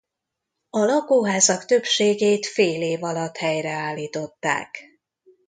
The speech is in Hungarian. A lakóházak többségét fél év alatt helyreállították.